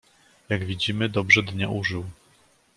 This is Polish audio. "Jak widzimy dobrze dnia użył."